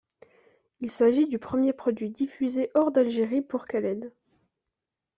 Il s'agit du premier produit diffusé hors d'Algérie pour Khaled.